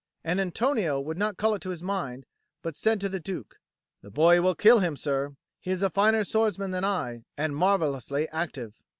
And Antonio would not call it to his mind, but he said to the Duke: "The boy will kill him, sir. He is a finer swordsman than I, and marvellously active."